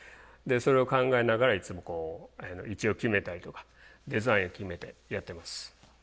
それを考えながらいつもこう位置を決めたりとかデザインを決めてやってます。